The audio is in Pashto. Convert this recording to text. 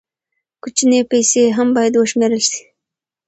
کوچنۍ پیسې هم باید وشمېرل شي.